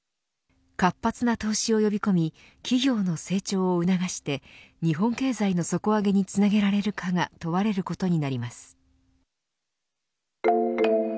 活発な投資を呼び込み企業の成長を促して日本経済の底上げにつなげられるかが問われることになります。